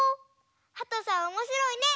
はとさんおもしろいね！